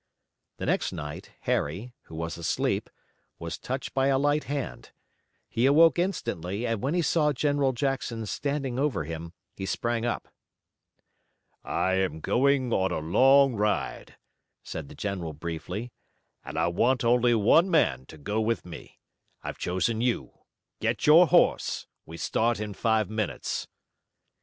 The next night, Harry, who was asleep, was touched by a light hand. He awoke instantly, and when he saw General Jackson standing over him, he sprang up. "I am going on a long ride," said the general briefly, "and I want only one man to go with me. I've chosen you. Get your horse. We start in five minutes."